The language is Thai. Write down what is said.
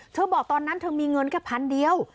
บอกตอนนั้นเธอมีเงินแค่พันเดียว